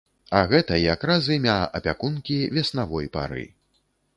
А гэта якраз імя апякункі веснавой пары.